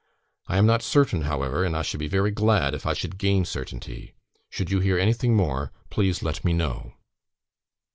I am not certain, however, and I should be very glad if I could gain certainty. Should you hear anything more, please let me know.